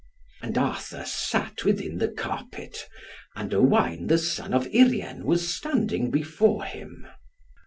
And Arthur sat within the carpet, and Owain the son of Urien was standing before him.